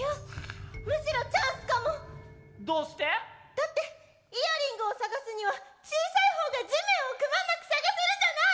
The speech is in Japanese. だってイヤリングを捜すには小さい方が地面をくまなく捜せるじゃない！